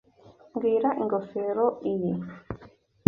Mbwira ingofero iyi.